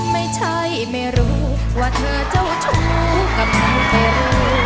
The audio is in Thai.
ไม่ใช่ไม่รู้ว่าเธอเจ้าชูกำลังเป็น